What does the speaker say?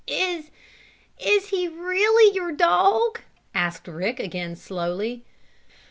"Is is he really your dog?" asked Rick again, slowly.